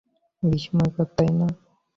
বিস্ময়কর, তাই না?